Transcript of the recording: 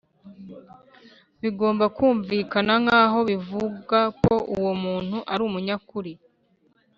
bigomba kumvikana nk aho bivuga ko uwomuntu arumunyakuri.